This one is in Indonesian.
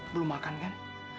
belum makan kan